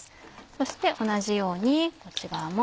そして同じようにこっち側も。